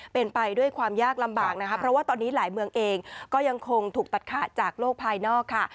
เป็นไปด้วยความยากลำบากนะคะเพราะว่าตอนนี้หลายเมืองเองก็ยังคงถูกตัดขาดจากโลกภายนอกค่ะ